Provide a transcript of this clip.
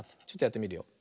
ちょっとやってみるよ。